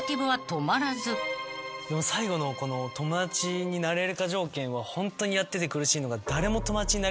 ［しかし］最後のこの友達になれるか条件はホントにやってて苦しいのが。